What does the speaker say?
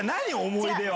思い出は。